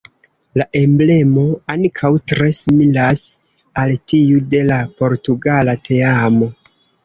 La emblemo ankaŭ tre similas al tiu de la portugala teamo.